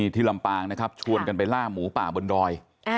ลำปางนะครับชวนกันไปล่าหมูป่าบนดอย